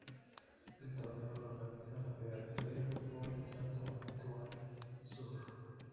El torneo lo organiza la federación de fútbol de Santo Antão Sur.